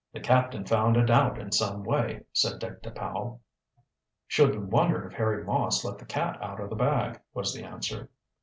"The captain found it out in some way," said Dick to Powell. "Shouldn't wonder if Harry Moss let the cat out of the bag," was the answer.